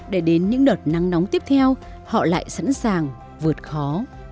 để đến những đợt nắng nóng tiếp theo họ lại sẵn sàng vượt khó